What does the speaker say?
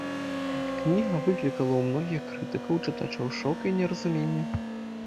Кніга выклікала ў многіх крытыкаў і чытачоў шок і неразуменне.